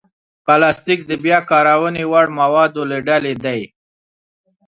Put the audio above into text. پلاستيک د بیا کارونې وړ موادو له ډلې دی.